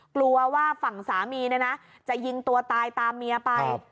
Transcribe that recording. กลัวว่าฝั่งสามีเนี่ยนะจะยิงตัวตายตามเมียไป